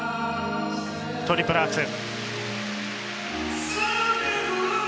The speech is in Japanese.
トリプルアクセル。